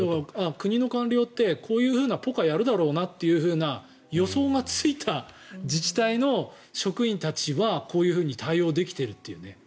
国の官僚ってこういうようなポカをやるだろうなという予想がついた自治体の職員たちはこういうふうに対応できているというね。